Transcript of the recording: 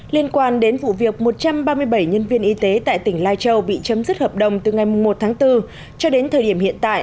liên quan đến vụ việc một trăm ba mươi bảy nhân viên y tế tại tỉnh lai châu bị chấm dứt hợp đồng từ ngày một tháng bốn cho đến thời điểm hiện tại